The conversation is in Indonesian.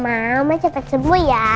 mama mau cepet sebu ya